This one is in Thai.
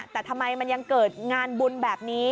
แต่ทำไมมันยังเกิดงานบุญแบบนี้